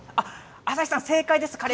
朝日さん正解です。